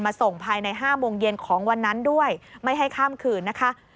ส่งภายใน๕โมงเย็นของวันนั้นด้วยไม่ให้ข้ามคืนนะคะ